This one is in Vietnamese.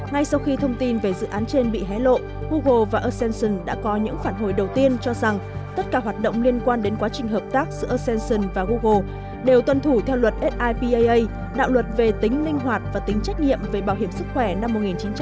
ngay sau khi thông tin về dự án trên bị hé lộ google và ascension đã có những phản hồi đầu tiên cho rằng tất cả hoạt động liên quan đến quá trình hợp tác giữa ascension và google đều tuân thủ theo luật sipaa đạo luật về tính linh hoạt và tính trách nhiệm về bảo hiểm sức khỏe năm một nghìn chín trăm tám mươi